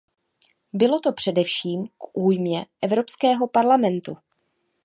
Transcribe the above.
Bylo to především k újmě Evropského parlamentu.